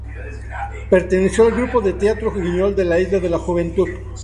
Perteneció al grupo de Teatro Guiñol de Isla de la Juventud.